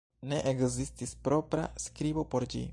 Ne ekzistis propra skribo por ĝi.